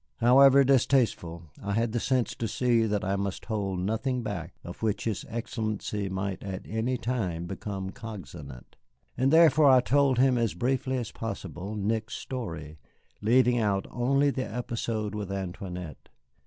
However distasteful, I had the sense to see that I must hold nothing back of which his Excellency might at any time become cognizant, and therefore I told him as briefly as possible Nick's story, leaving out only the episode with Antoinette.